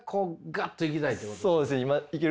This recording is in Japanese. そうですね。